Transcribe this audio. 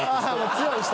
強い人。